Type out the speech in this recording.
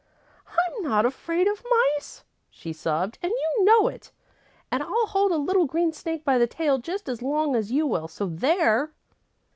"I'm not afraid of mice," she sobbed, "and you know it. And I'll hold a little green snake by the tail just as long as you will, so there!"